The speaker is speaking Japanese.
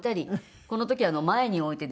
この時は前に置いてですね。